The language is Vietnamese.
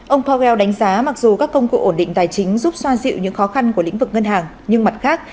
ông powell đánh giá mặc dù các công cụ ổn định tài chính giúp xoa dịu những khó khăn của lĩnh vực ngân hàng nhưng mặt khác